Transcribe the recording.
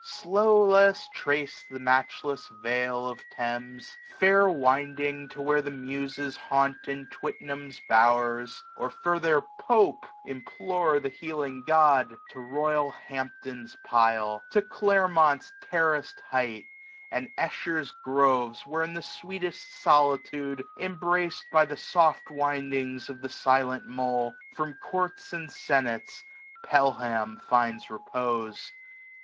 Slow let us trace the matchless Vale of Thames; Fair winding up to where the Muses haunt 1425 In Twitnam's bowers, and for their Pope implore The healing God j to royal Hampton's pile j To Clermont's terrass'd height ; and Esher's groves ; Where in the sweetest solitude, embraced By the soft windings of the silent Mole, 1430 From courts and senates Pelham finds repose.